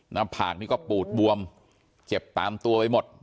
หน้าผากนี้ก็ปูดบวมเจ็บตามตัวไปหมด